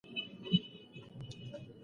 د هوايي ډګر مامور د ده سامان ګوري.